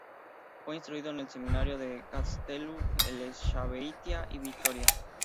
Fue instruido en el seminario de Gaztelu-Elexabeitia y Vitoria.